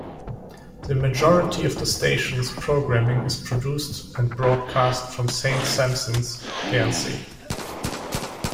The majority of the station's programming is produced and broadcast from Saint Sampson's, Guernsey.